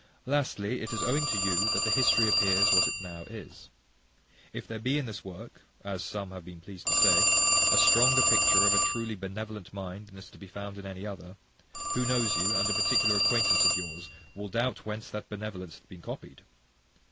Lastly, It is owing to you that the history appears what it now is. If there be in this work, as some have been pleased to say, a stronger picture of a truly benevolent mind than is to be found in any other, who that knows you, and a particular acquaintance of yours, will doubt whence that benevolence hath been copied?